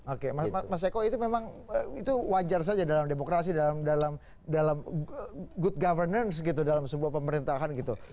oke mas eko itu memang itu wajar saja dalam demokrasi dalam good governance gitu dalam sebuah pemerintahan gitu